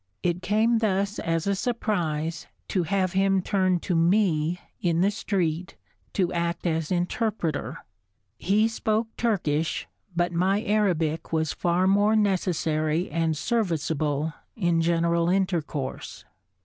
It came thus as a surprise to have him turn to me, in the street, to act as interpreter. He spoke Turkish, but my Arabic was far more necessary and serviceable in general intercourse.